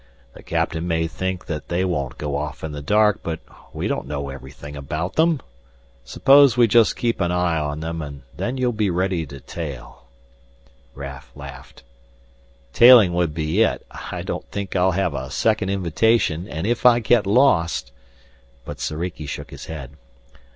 "The captain may think that they won't go off in the dark, but we don't know everything about them. Suppose we just keep an eye on them, and then you'll be ready to tail " Raf laughed. "Tailing would be it. I don't think I'll have a second invitation and if I get lost " But Soriki shook his head.